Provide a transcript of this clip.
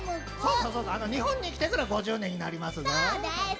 日本に来てから５０年になります。